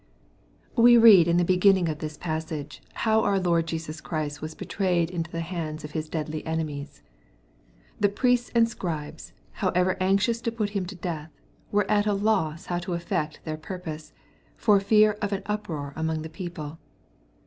Wb read in the beginning of this passage, how our Lord Jesus Christ was betrayed into the hands of His deadly enemies. [ The priests and scribes, however anxious to put him to death, were at a loss how to effect their purpose, for fear of an uproar among the people.